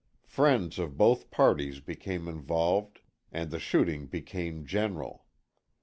Friends of both parties became involved and the shooting became general.